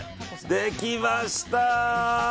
できました！